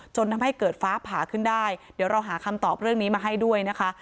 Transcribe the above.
จนทำให้เกิดฟ้าผ่าขึ้นได้เดี๋ยวเราหาคำตอบเรื่องนี้มาให้ด้วยนะคะ